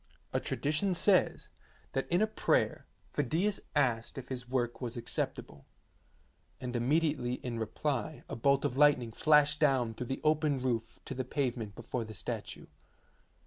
A tradition says that in a prayer Phidias asked if his work was acceptable, and immediately in reply a bolt of lightning flashed down through the open roof to the pavement before the statue.